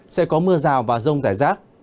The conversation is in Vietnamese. sẽ có mưa rào và rông rải rác